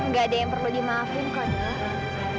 gak ada yang perlu dimaafin kok